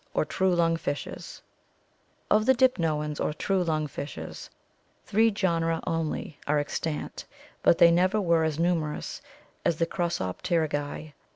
— Of the dipnoans or true lung fishes three genera only are extant but they never were as numerous as the Crossop terygii.